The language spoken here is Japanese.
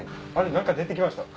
何か出てきました。